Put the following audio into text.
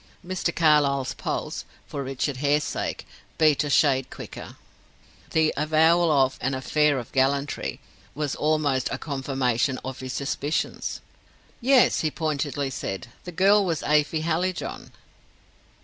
Mr. Carlyle's pulse for Richard Hare's sake beat a shade quicker. The avowal of "an affair of gallantry" was almost a confirmation of his suspicions. "Yes," he pointedly said. "The girl was Afy Hallijohn."